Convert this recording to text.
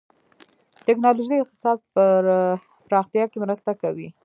ټکنالوجي د اقتصاد پراختیا کې مرسته کوي.